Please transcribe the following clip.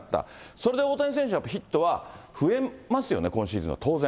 それで大谷選手は、ヒットは増えますよね、今シーズン、当然。